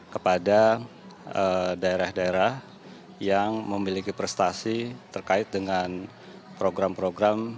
kepada daerah daerah yang memiliki prestasi terkait dengan program program